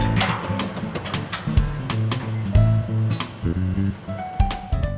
dia ntar bisa disep khusus kalau misalnya dia ngasih ngasih depan sama ama sama